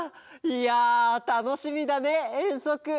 いやたのしみだねえんそく！